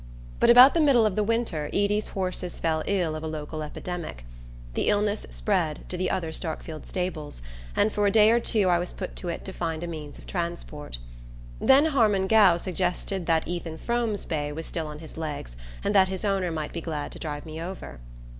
But about the middle of the winter Eady's horses fell ill of a local epidemic. The illness spread to the other Starkfield stables and for a day or two I was put to it to find a means of transport. Then Harmon Gow suggested that Ethan Frome's bay was still on his legs and that his owner might be glad to drive me over.